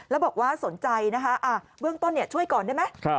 แล้วบอกว่าสนใจนะคะเบื้องต้นช่วยก่อนได้ไหม